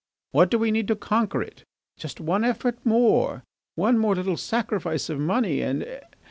What do we need to conquer it? just one effort more ... one more little sacrifice of money and